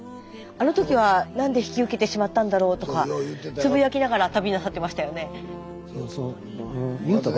あの時は何で引き受けてしまったんだろうとかつぶやきながら旅なさってましたよね。